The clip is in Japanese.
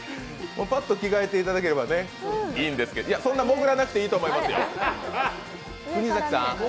パッと着替えていただければいいんですけど、そんな潜らなくていいと思いますよ。